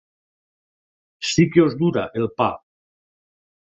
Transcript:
Sí que us dura, el pa!